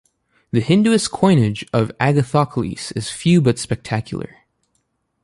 The Hinduist coinage of Agathocles is few but spectacular.